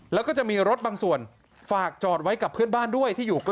แล้วก็จะมีรถบางส่วนฝากจอดไว้กับเพื่อนบ้านด้วยที่อยู่ใกล้